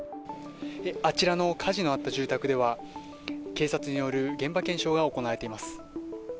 あちらの火事のあった住宅では、警察による現場検証が行われています。